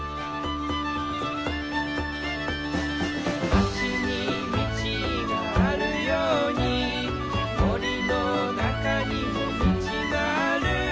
「まちに道があるように」「森の中にも道がある」